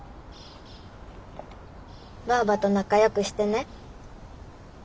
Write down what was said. ばあばと仲よくしてね。